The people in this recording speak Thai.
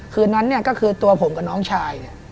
คืนนั้นเนี่ยก็คือตัวผมกับน้องชายเนี่ย